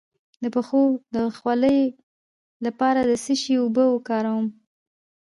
د پښو د خولې لپاره د څه شي اوبه وکاروم؟